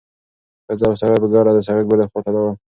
ښځه او سړی په ګډه د سړک بلې خوا ته لاړل.